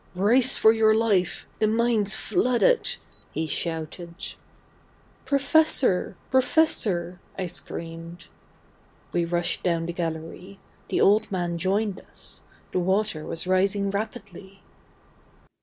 "Race for your life. The mine's flooded!" he shouted. "Professor! Professor!" I screamed. We rushed down the gallery. The old man joined us. The water was rising rapidly.